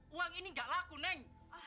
uang ini gak laku neng